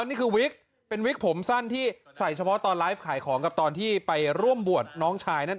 ดิติกผมสั้นที่ใส่เฉพาะตอนไลฟ์ขายของกับการไปร่วมบวชน้องชาย